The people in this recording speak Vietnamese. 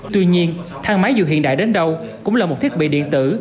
tuy nhiên thang máy dù hiện đại đến đâu cũng là một thiết bị điện tử